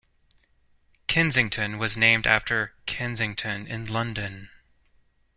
Kensington was named after Kensington in London.